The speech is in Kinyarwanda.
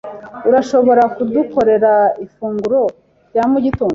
Urashobora kudukorera ifunguro rya mugitondo?